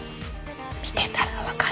見てたら分かる。